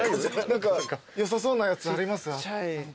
何かよさそうなやつあります？